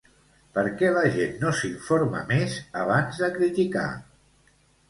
Perquè la gent no s'informa més abans de criticar?